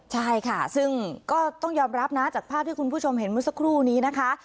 ใช่ค่ะซึ่งก็ต้องยอมรับนะจากภาพที่คุณผู้ชมเห็นเมื่อสักครู่นี้นะคะ